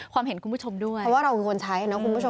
ความเห็นคุณผู้ชมด้วย